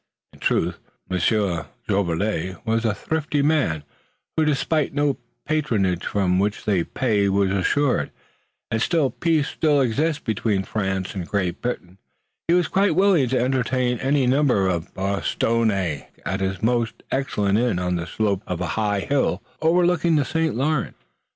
In truth, Monsieur Jolivet was a thrifty man who despised no patronage for which the pay was assured, and since peace still existed between France and Great Britain he was quite willing to entertain any number of Bostonnais at his most excellent inn on the slope of a high hill overlooking the St. Lawrence.